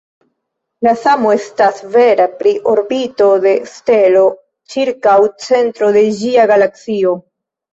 La samo estas vera pri orbito de stelo ĉirkaŭ centro de ĝia galaksio.